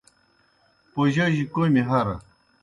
پوجوجیْ کوْمی ہرہ۔